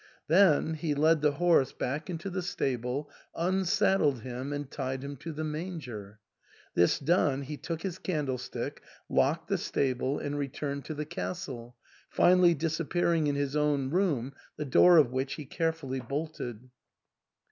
Then he led the horse back into the stable, unsaddled him, and tied him to the manger. This done, he took his candlestick, locked the stable, and returned to the castle, finally disappearing in his own room, the door of which he carefully bolted.